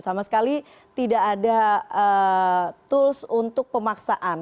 sama sekali tidak ada tools untuk pemaksaan